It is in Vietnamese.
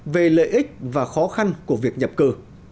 về lợi ích và khó khăn của việc nhập cư